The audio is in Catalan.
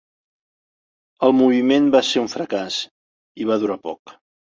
El moviment va ser un fracàs, i va durar poc.